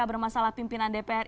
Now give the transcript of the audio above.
bermasalah pimpinan dpr